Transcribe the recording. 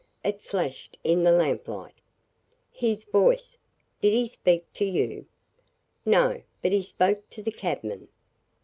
It flashed in the lamplight." "His voice! Did he speak to you?" "No. But he spoke to the cabman.